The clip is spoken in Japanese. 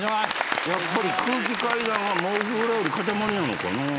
やっぱり空気階段はもぐらよりかたまりなのかな。